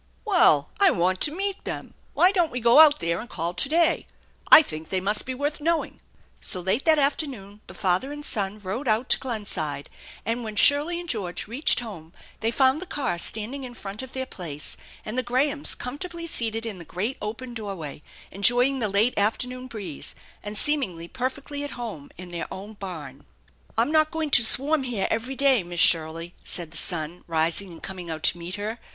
" Well, I want to meet them. Why don't we go out there and call to day? I think they must be worth knowing." So late that afternoon the father and son rode out to Glenside, and when Shirley and George reached home they found the car standing in front of their place, and the Grahams comfortably seated in the great open doorway, enjoying the late afternoon breeze, and seemingly perfectly at home in their own barn. " I'm not going to swarm here every day, Miss Shirley," said the son, rising and coming out to meet her.